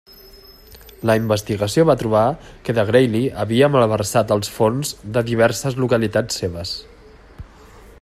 La investigació va trobar que de Grailly havia malversat els fons de diverses localitats seves.